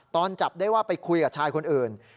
ตอนจับได้ว่าไปคุยกับชายคนอื่น